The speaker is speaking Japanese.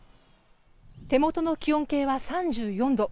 手元の気温計は３４度。